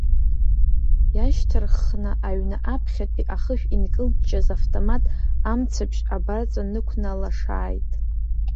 Иашьҭарххны, аҩны аԥхьатәи ахышә инкылҷҷаз автомат амцаԥшь абарҵа нықәнарлашааит.